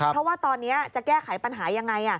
เพราะว่าตอนนี้จะแก้ไขปัญหายังไง